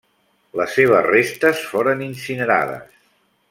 Les seves restes foren incinerades.